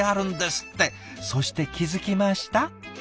そして気付きました？